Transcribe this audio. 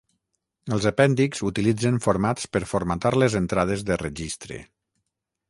Els apèndixs utilitzen formats per formatar les entrades de registre.